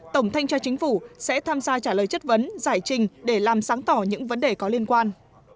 tổng thanh tra chính phủ sẽ tham gia trả lời chất vấn giải trình để làm sáng tỏ những vấn đề có liên quan